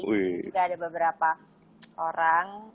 disini juga ada beberapa orang